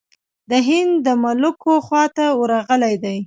د هند د ملوکو خواته ورغلی دی.